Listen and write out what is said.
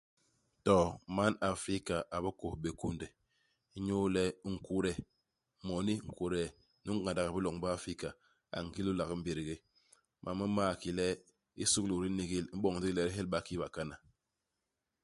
To, man Afrika a bikôs bé kunde. Inyu le nkude, moni, nkude nu ngandak i biloñ bi Afrika, a ngi lôlak i mbégdé. Mam m'ma ki le, isukulu di n'nigil, i m'boñ ndigi le di helba kikii bakana.